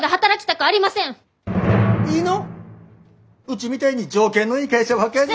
うちみたいに条件のいい会社はほかに。